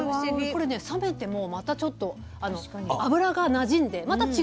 これね冷めてもまたちょっと油がなじんでまた違う味わいに。